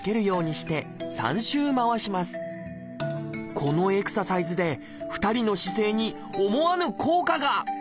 このエクササイズで２人の姿勢に思わぬ効果が！